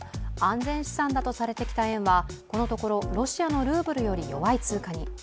安全資産だとされてきた円はこのところ、ロシアのルーブルより弱い通貨に。